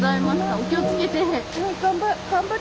お気をつけて。